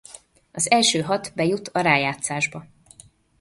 Az első hat bejut a rájátszásba.